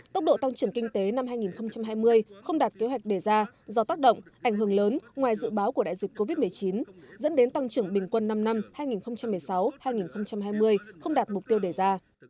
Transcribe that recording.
tốc độ tăng trưởng kinh tế năm hai nghìn hai mươi không đạt kế hoạch đề ra do tác động ảnh hưởng lớn ngoài dự báo của đại dịch covid một mươi chín dẫn đến tăng trưởng bình quân năm năm hai nghìn một mươi sáu hai nghìn hai mươi không đạt mục tiêu đề ra